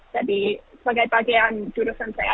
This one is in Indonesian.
jadi sebagai bagian jurusan saya